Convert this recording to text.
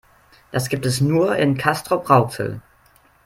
Das gibt es nur in Castrop-Rauxel